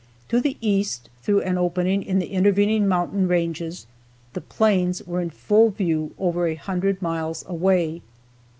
To the east, through an opening in the intervening mountain ranges, the plains were in full view over a hundred miles away.